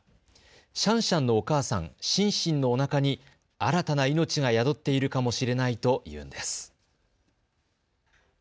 シャンシャンのお母さん、シンシンのおなかに新たな命が宿っているかもしれないというんです。